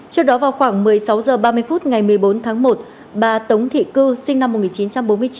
trước đó vào khoảng một mươi sáu h ba mươi phút ngày một mươi bốn tháng một bà tống thị cư sinh năm một nghìn chín trăm bốn mươi chín